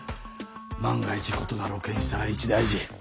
万が一事が露見したら一大事。